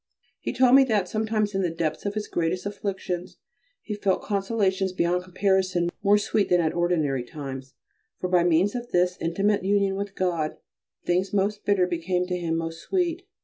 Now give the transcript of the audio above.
He told me, that, sometimes in the depth of his greatest afflictions, he felt consolations beyond comparison more sweet than at ordinary times, for by means of this intimate union with God things most bitter became to him most sweet.